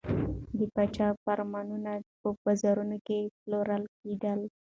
د پاچا فرمانونه په بازارونو کې پلورل کېدل.